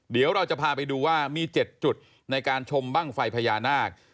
เดี๋ยวเราจะพาไปดูว่ามี๗จุดในการชมบ้างไฟพญานาค